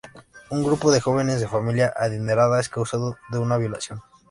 Un grupo de jóvenes de familia adinerada es acusado de una violación.